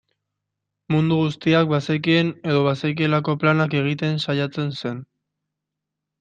Mundu guztiak bazekien edo bazekielako plantak egiten saiatzen zen.